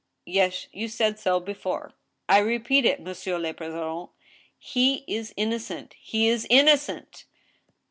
" Yes, you said so before." " I repeat it, monsieur le president. He is innocent— he is in nocent